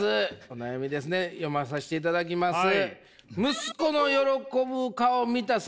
お悩みですね読まさせていただきます。